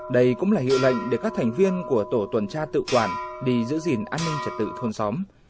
đây cũng là hiệu lệnh để các thành viên của tổ tuần tra tự quản đi giữ gìn an ninh trật tự thôn xóm